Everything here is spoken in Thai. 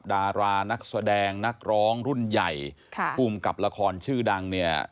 ดารานักแสดงนักร้องรุ่นใหญ่ค่ะภูมิกับละครชื่อดังเนี่ย